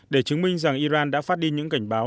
để chứng minh rằng iran đã phát đi những cảnh báo